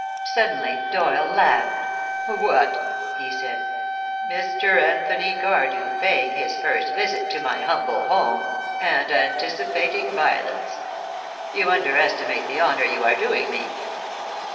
Suddenly Doyle laughed. "What!" he said, "Mr. Anthony Cardew paying his first visit to my humble home, and anticipating violence! You underestimate the honor you are doing me."